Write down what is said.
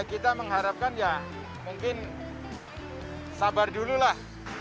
kita mengharapkan ya mungkin sabar dulu lah